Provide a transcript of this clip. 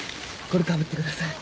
これかぶってください。